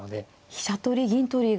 飛車取り銀取りが。